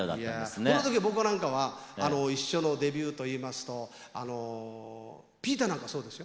いやこの時僕なんかは一緒のデビューといいますとピーターなんかそうですよ。